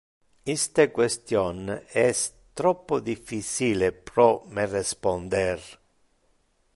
Iste question es troppo difficile pro me responder.